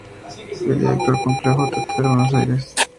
Es director del Complejo Teatral Buenos Aires.